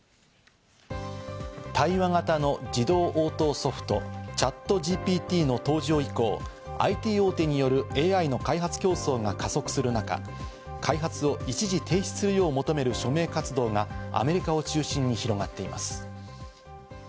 対話型の自動応答ソフトＣｈａｔＧＰＴの登場以降、ＩＴ大手によるＡＩの開発競争が加速する中、開発を一時停止するよう求める署名活動がアメリカを中心に広がっています。